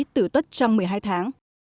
từ tuất trong một mươi hai tháng